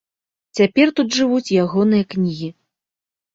Цяпер тут жывуць ягоныя кнігі.